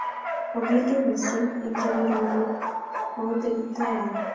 Ogilge mising' eng' tamirmiriet ,oote Kiptaityat.